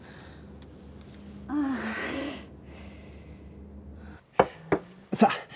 ああ。